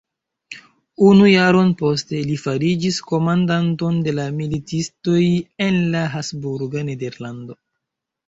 Unu jaron poste, li fariĝis komandanto de la militistoj en la habsburga nederlando.